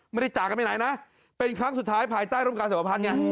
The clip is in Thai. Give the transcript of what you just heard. ไม่ได้จากกันไปไหนนะเป็นครั้งสุดท้ายภายใต้ร่มการสวพันธ์ไง